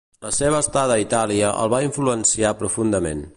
La seva estada a Itàlia el va influenciar profundament.